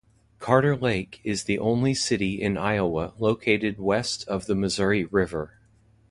Carter Lake is the only city in Iowa located west of the Missouri River.